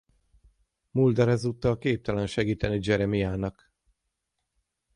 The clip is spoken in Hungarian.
Mulder ezúttal képtelen segíteni Jeremiah-nak.